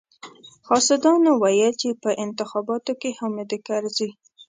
حاسدانو ويل چې په انتخاباتو کې حامد کرزي.